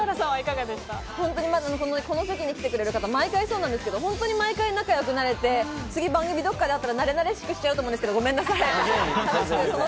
この席に来てくれる方、毎回そうですが、毎回仲良くなれて、次、番組どこかで会ったら、馴れ馴れしくしちゃうと思うんですが、ごめんなさい。